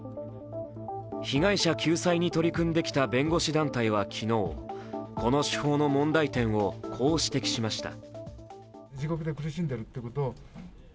被害者救済に取り組んできた弁護士団体は昨日この手法の問題点をこう指摘しました。